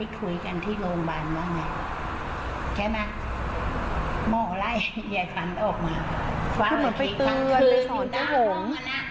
คือเหมือนไปเตือนไปสอนเจ้าหงษ์